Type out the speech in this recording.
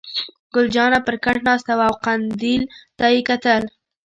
ګل جانه پر کټ ناسته وه او قندیل ته یې کتل.